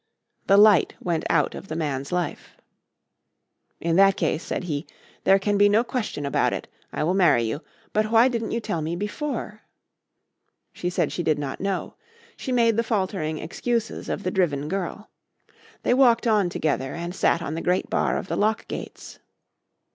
The light went out of the man's life. "In that case," said he, "there can be no question about it. I will marry you. But why didn't you tell me before?" She said she did not know. She made the faltering excuses of the driven girl. They walked on together and sat on the great bar of the lock gates.